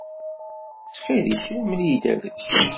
Ttxil-k, mel-iyi-d abrid.